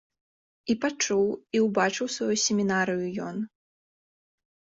І пачуў, і ўбачыў сваю семінарыю ён.